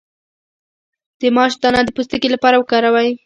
د ماش دانه د پوستکي لپاره وکاروئ